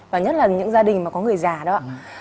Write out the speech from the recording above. và nhất là những gia đình mà có người già đó ạ